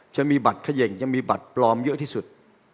จะมีบัตรเขย่งจะมีบัตรปลอมเยอะที่สุด